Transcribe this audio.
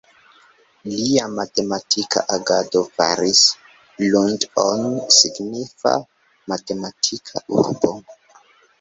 Lia matematika agado faris Lund-on signifa matematika urbo.